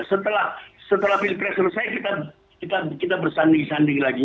setelah pilpres selesai kita bersanding sanding lagi